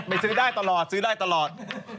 ซื้อได้ตลอดซื้อได้ตลอด